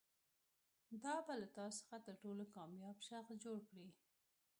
دا به له تا څخه تر ټولو کامیاب شخص جوړ کړي.